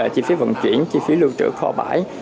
chi phí vận chuyển chi phí lưu trữ kho bãi